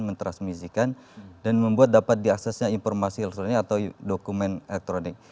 mentransmisikan dan membuat dapat diaksesnya informasi elektronik atau dokumen elektronik